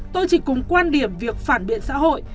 tôi chỉ cùng quan điểm việc phản biện xã hội